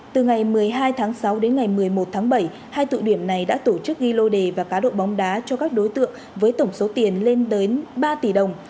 từ ngày một mươi hai tháng sáu đến ngày một mươi một tháng bảy hai tụ điểm này đã tổ chức ghi lô đề và cá độ bóng đá cho các đối tượng với tổng số tiền lên tới ba tỷ đồng